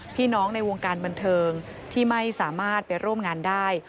พี่น้องในวงการบันเทิงที่ไม่สามารถไปร่วมงานได้